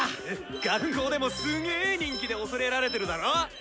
学校でもすげー人気で恐れられてるだろ？なぁ！